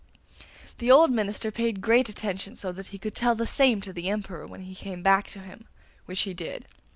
The old minister paid great attention, so that he could tell the same to the Emperor when he came back to him, which he did.